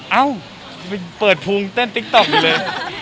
เอ้าเปิดภูมิเต้นติ๊กต๊อกอยู่เลย